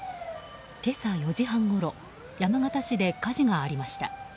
今朝４時半ごろ山形市で火事がありました。